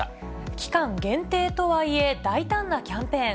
期間限定とはいえ、大胆なキャンペーン。